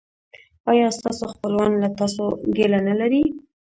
ایا ستاسو خپلوان له تاسو ګیله نلري؟